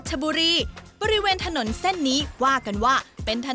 กับการเปิดลอกจินตนาการของเพื่อนเล่นวัยเด็กของพวกเราอย่างโลกของตุ๊กตา